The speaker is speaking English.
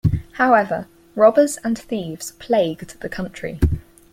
However, robbers and thieves plagued the country.